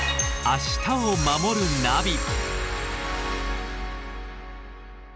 「明日をまもるナビ」